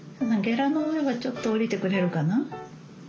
ゲラの上はちょっと下りてくれるかな？